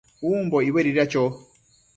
umbo icbuedida cho?